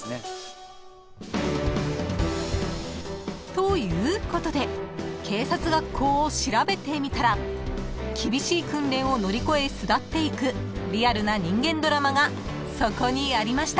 ［ということで警察学校を調べてみたら厳しい訓練を乗り越え巣立っていくリアルな人間ドラマがそこにありました］